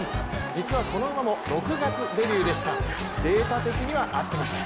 実は、この馬も６月デビューでした。